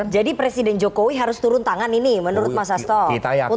jadi presiden jokowi harus turun tangan ini menurut mas astok